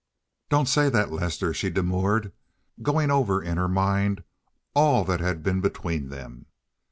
"Don't say that, Lester," she demurred, going over in her mind all that had been between them.